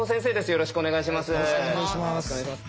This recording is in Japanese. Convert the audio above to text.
よろしくお願いします。